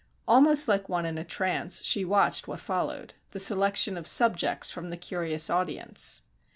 Almost like one in a trance, she watched what followed; the selection of "subjects" from the curious audience.